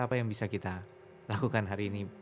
apa yang bisa kita lakukan hari ini